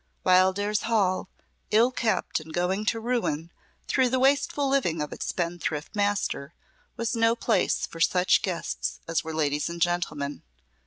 Wildairs Hall, ill kept, and going to ruin through the wasteful living of its spendthrift master, was no place for such guests as were ladies and gentlemen.